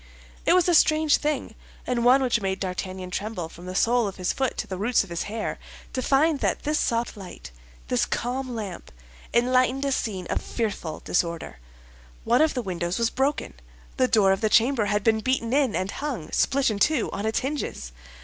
It was a strange thing, and one which made D'Artagnan tremble from the sole of his foot to the roots of his hair, to find that this soft light, this calm lamp, enlightened a scene of fearful disorder. One of the windows was broken, the door of the chamber had been beaten in and hung, split in two, on its hinges.